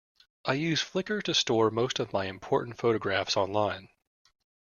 I use Flickr to store most of my important photographs online